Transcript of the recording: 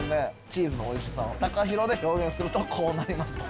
「チーズの美味しさをタカヒロで表現するとこうなります！」と。